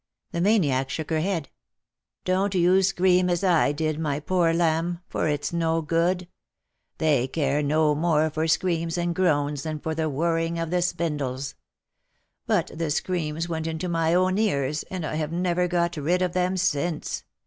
The maniac shook her head. " Don't you scream as I did, my poor lamb, for it's no good ; they care no more for screams and groans than for the whirring of the spindles. But the screams went into my own ears, and I have never got rid of them since.